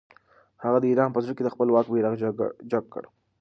هغه د ایران په زړه کې د خپل واک بیرغ جګ کړ.